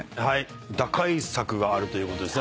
打開策があるということですね